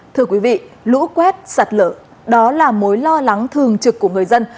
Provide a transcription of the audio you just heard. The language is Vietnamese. thưa quý vị lũ quét sạt lở đó là mối lo lắng thường trực của người dân